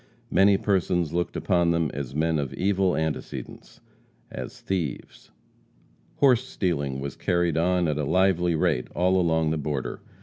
Many persons looked upon them as men of evil antecedents as thieves. Horse stealing was carried on at a lively rate all along the border.